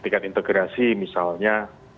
tiket integrasi misalnya